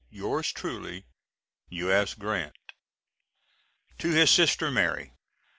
Yours truly, U.S. GRANT. [To his sister Mary.